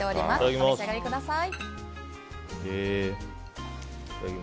お召し上がりください。